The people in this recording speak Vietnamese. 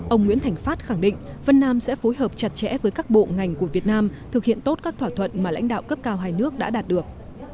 ông nguyễn thành phát khẳng định vân nam sẽ phối hợp chặt chẽ với các bộ ngành của việt nam thực hiện tốt các thỏa thuận mà lãnh đạo cấp cao hai nước đã đạt được